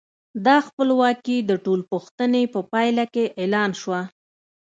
دا خپلواکي د ټول پوښتنې په پایله کې اعلان شوه.